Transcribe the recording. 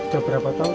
sudah berapa tahun